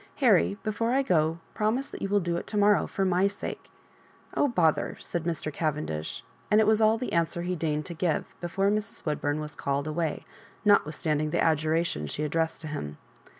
Harry, before I go, promise that you will do it to morrow for my sak&" " Oh, bother 1" said Mr. Cavendish ; and it was all the answer he deigned to give before Mrs. Woodbum was caUed away, notwithstanding the adjuration she addressed to him.